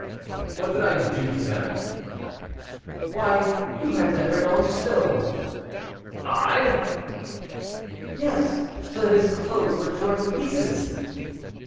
"What did I do to them?" "Why, you had D'Epernon stoned." "I!" "Yes, so that his clothes were torn to pieces."